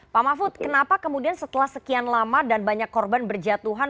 pak mahfud kenapa kemudian setelah sekian lama dan banyak korban berjatuhan